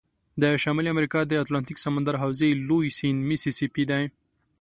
د شمال امریکا د اتلانتیک سمندر حوزې لوی سیند میسی سی پي دی.